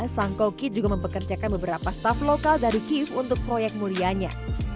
sang koki juga mempekerjakan beberapa staf lokal dari kiev untuk proyek mulianya